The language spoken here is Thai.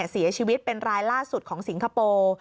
เสียชีวิตเป็นรายล่าสุดของสิงคโปร์